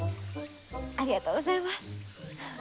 ありがとうございます。